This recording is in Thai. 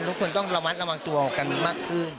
ทุกคนต้องระวังตัวของกันมากขึ้น